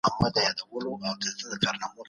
اسلام له یوې خوا فردي ملکیت ته قایل دی.